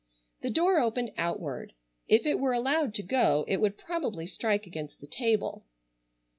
The door opened outward. If it were allowed to go it would probably strike against the table.